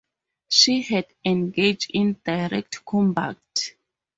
She had engaged in direct combat.